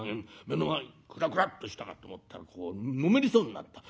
目の前くらくらっとしたかと思ったらこうのめりそうになった。